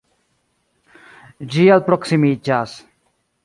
Ĝi alproksimiĝas.